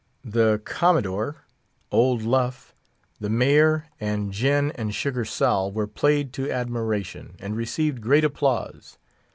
"The Commodore," "Old Luff," "The Mayor," and "Gin and Sugar Sall," were played to admiration, and received great applause.